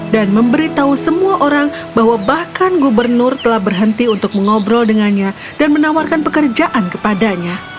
dan memberitahu semua orang bahwa bahkan gubernur telah berhenti untuk mengobrol dengannya dan menawarkan pekerjaan kepadanya